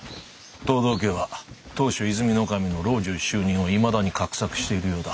藤堂家は当主和泉守の老中就任をいまだに画策しているようだ。